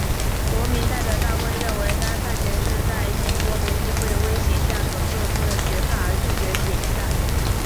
国民代表大会认为该判决是在新国民议会的威胁下所做出的判决而拒绝解散。